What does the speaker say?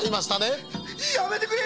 やめてくれ！